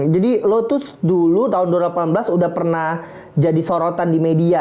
jadi lo tuh dulu tahun dua ribu delapan belas udah pernah jadi sorotan di media